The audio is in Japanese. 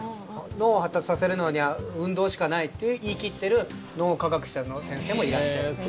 脳を発達させるのには運動しかないと言い切っている脳科学者の先生もいらっしゃいます。